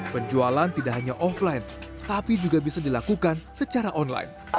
penjualan tidak hanya offline tapi juga bisa dilakukan secara online